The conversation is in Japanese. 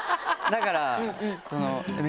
だから。